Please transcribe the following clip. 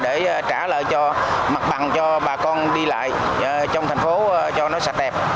để trả lời cho mặt bằng cho bà con đi lại trong thành phố cho nó sạch đẹp